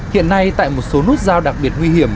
hiện nay tại một số nút giao đặc biệt nguy hiểm